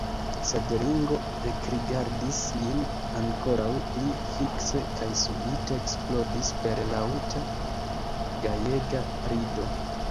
Sed Ringo ekrigardis lin ankoraŭ pli fikse kaj subite eksplodis per laŭta, gajega rido.